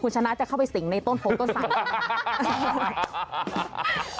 คุณชนะจะเข้าไปสิงในต้นโพงต้นสัง